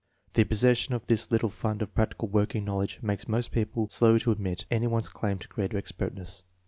The possession of this little fund of practical working knowl edge makes most people slow to admit any one's claim to greater expertness.